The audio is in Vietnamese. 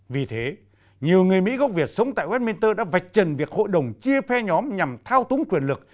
vì thế nhiều người mỹ gốc việt sống tại westminster đã vạch trần việc hội đồng chia phe nhóm nhằm thao túng quyền lực